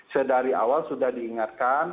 saya dari awal sudah diingatkan